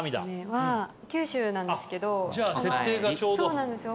そうなんですよ。